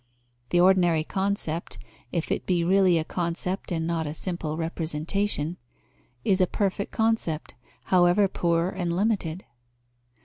The ordinary concept, if it be really a concept and not a simple representation, is a perfect concept, however poor and limited.